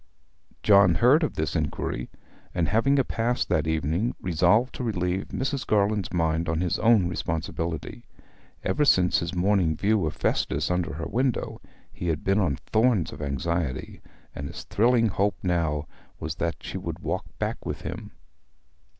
John heard of this inquiry, and, having a pass that evening, resolved to relieve Mrs. Garland's mind on his own responsibility. Ever since his morning view of Festus under her window he had been on thorns of anxiety, and his thrilling hope now was that she would walk back with him.